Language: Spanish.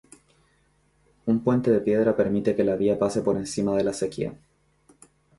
Un puente de piedra permite que la vía pase por encima de la acequia.